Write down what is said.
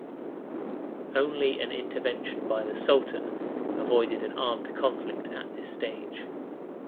Only an intervention by the sultan avoided an armed conflict at this stage.